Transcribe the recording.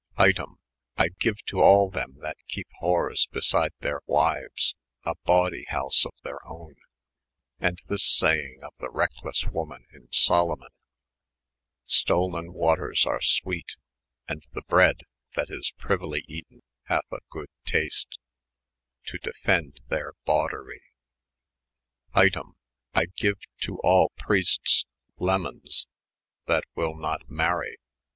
Item, I gene to all them that kepe whores beside their wives, a bandy house of their owne, & this saiyng of the retcheles woman in Salomon '(Stollen waters ar sweete, &, the bread that is priuely eaten hathe a good Haste) to defende their bandery. Item, I gene to all Preestes, Lemondes, that wyl not marry